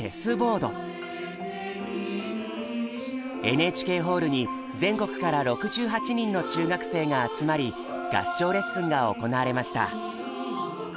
ＮＨＫホールに全国から６８人の中学生が集まり合唱レッスンが行われました。